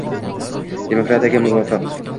demokratiyaga muvofiq